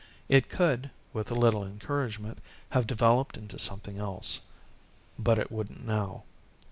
It could, with a little encouragement, have developed into something else. But it wouldn't now.